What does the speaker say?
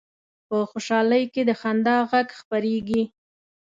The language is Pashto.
په خوشحالۍ کې د خندا غږ خپرېږي